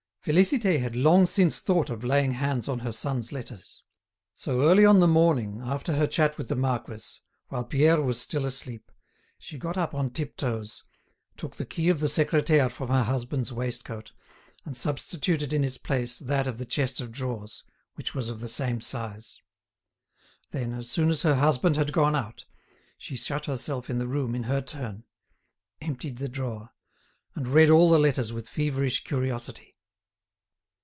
Félicité had long since thought of laying hands on her son's letters. So early on the morning after her chat with the marquis, while Pierre was still asleep, she got up on tiptoes, took the key of the secretaire from her husband's waistcoat and substituted in its place that of the chest of drawers, which was of the same size. Then, as soon as her husband had gone out, she shut herself in the room in her turn, emptied the drawer, and read all the letters with feverish curiosity.